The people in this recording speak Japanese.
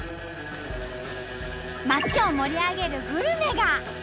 街を盛り上げるグルメが！